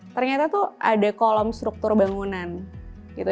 ternyata tuh ada kolom struktur bangunan gitu